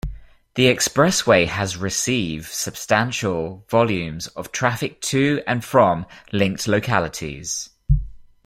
The expressway has receive substantial volumes of traffic to and from linked localities.